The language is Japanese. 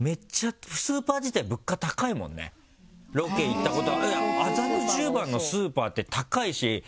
ロケ行ったこと。